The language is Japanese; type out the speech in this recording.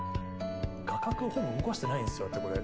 画角をほぼ動かしてないんですよだってこれ。